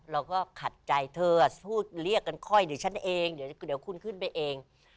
เราก็ขัดใจเธอพูดเรียกกันค่อยเดี๋ยวฉันเองเดี๋ยวคุณขึ้นไปเอง